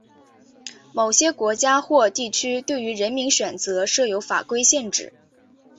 某些国家或地区对于人名选择设有法规限制。